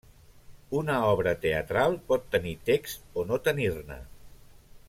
Una obra teatral pot tenir text o no tenir-ne.